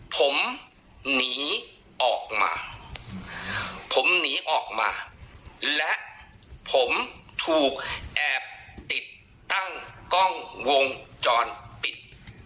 ผมหนีออกมาผมหนีออกมาและผมถูกแอบติดตั้งกล้องวงจรปิด